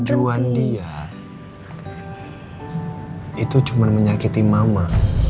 tujuan dia itu cuman menyakiti mama